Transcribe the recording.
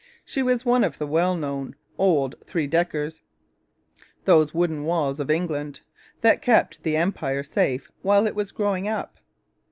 She was one of the well known old 'three deckers,' those 'wooden walls of England' that kept the Empire safe while it was growing up.